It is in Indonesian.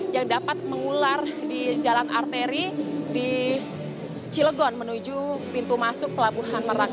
yang dapat mengular di jalan arteri di cilegon menuju pintu masuk pelabuhan merak